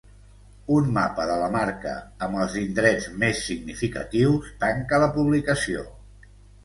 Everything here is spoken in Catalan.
Un mapa de la marca amb els indrets més significatius tanca la publicació.